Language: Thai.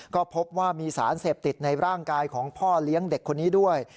ก็พบว่ามีสารเสพติดในร่างกายของพ่อเลี้ยงเด็กคนนี้ด้วย